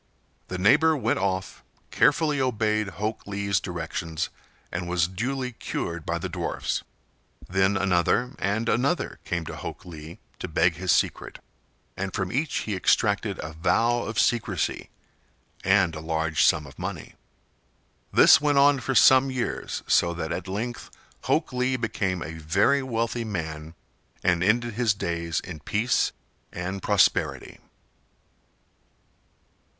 The neighbor went off, carefully obeyed Hok Lee's directions, and was duly cured by the dwarfs. Then another and another came to Hok Lee to beg his secret, and from each he extracted a vow of secrecy and a large sum of money. This went on for some years, so that at length Hok Lee became a very wealthy man and ended his days in peace and prosperity.